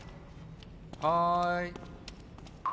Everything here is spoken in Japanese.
はい！